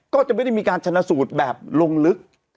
ก็จะไม่ได้มีการชนะสูตรแบบลงลึก